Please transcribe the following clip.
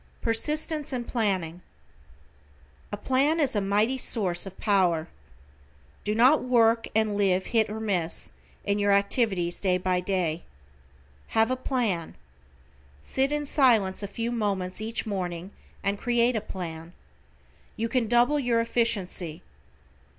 =PERSISTENCE AND PLANNING=: A plan is a mighty source of power. Do not work and live "hit or miss" in your activities day by day. Have a plan. Sit in Silence a few moments each morning and create a plan. You can double your efficiency.